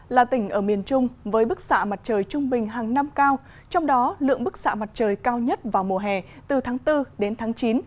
là tỉnh ở miền trung với bức xạ mặt trời trung bình hàng năm cao trong đó lượng bức xạ mặt trời cao nhất vào mùa hè từ tháng bốn đến tháng chín